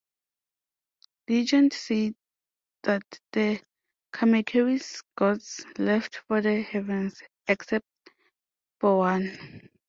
Legends say that the Kamekeri's gods left for the heavens, except for one.